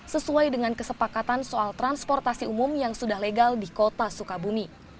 sesuai dengan kesepakatan soal transportasi umum yang sudah legal di kota sukabumi